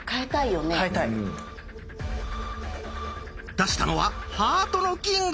出したのは「ハートのキング」！